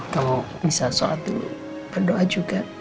kalau bisa sholat dulu berdoa juga